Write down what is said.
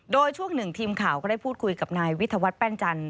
โดยช่วงหนึ่งทีมข่าวก็ได้พูดคุยกับนายวิทยาวัฒนแป้นจันท